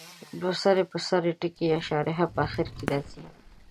دوه سر په سر ټکي یا شارحه په اخر کې راځي.